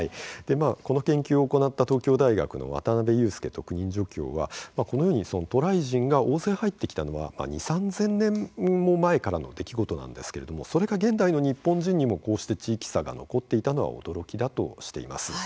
この研究を行った東京大学の渡部裕介特任助教はこのように渡来人が大勢入ってきたのは２、３千年も前からの出来事なんですけれどもそれが現代の日本人にもこうして地域差が残っていたのは驚きだとしています。